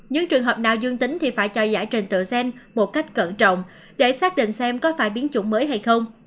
những trường hợp nào dương tính thì phải cho giải trình tự gen một cách cẩn trọng để xác định xem có phải biến chủng mới hay không